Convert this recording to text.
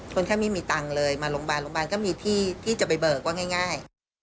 แทบไม่มีตังค์เลยมาโรงพยาบาลโรงพยาบาลก็มีที่ที่จะไปเบิกว่าง่าย